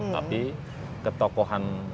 tapi ketokohan agama itu tidak